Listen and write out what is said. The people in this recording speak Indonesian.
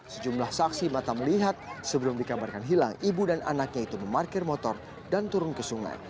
sejumlah saksi mata melihat sebelum dikabarkan hilang ibu dan anaknya itu memarkir motor dan turun ke sungai